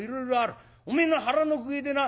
おめえの腹の具合でな